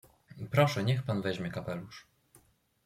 "Proszę niech pan weźmie kapelusz."